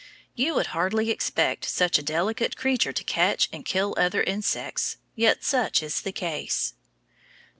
You would hardly expect such a delicate creature to catch and kill other insects, yet such is the case.